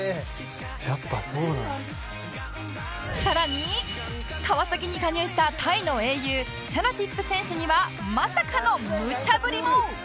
さらに川崎に加入したタイの英雄チャナティップ選手にはまさかのむちゃぶりも！